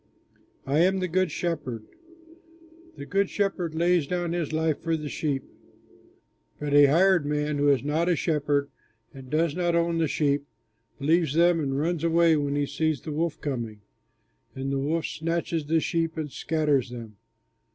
"I am the Good Shepherd; the good shepherd lays down his life for the sheep. But a hired man, who is not a shepherd and does not own the sheep, leaves them and runs away when he sees the wolf coming, and the wolf snatches the sheep and scatters them.